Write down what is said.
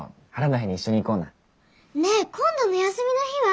ねえ今度の休みの日は？